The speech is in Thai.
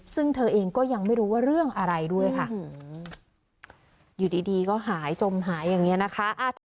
ซึ่งเธอเองก็ยังไม่รู้ว่าเรื่องอะไรด้วยค่ะอยู่ดีก็หายจมหายอย่างนี้นะคะ